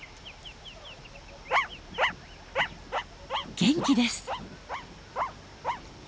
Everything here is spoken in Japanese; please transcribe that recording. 元気です。